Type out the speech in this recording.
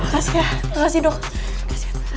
makasih ya makasih dok